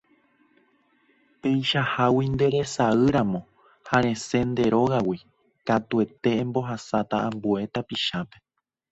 Peichahágui nderasýramo ha resẽ nde rógagui katuete embohasáta ambue tapichápe